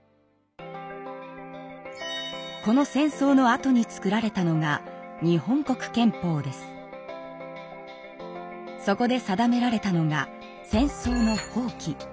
この戦争のあとに作られたのがそこで定められたのが戦争の放棄。